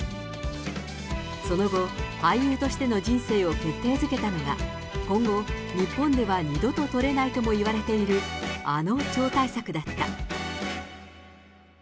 その後、俳優としての人生を決定づけたのが、今後、日本では二度と撮れないともいわれている、あの超大作だった。